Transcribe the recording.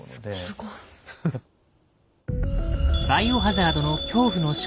すごい！「バイオハザード」の恐怖の正体。